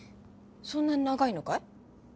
そんなに長いのかい？